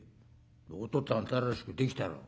「おとっつぁん新しくできたろ？」。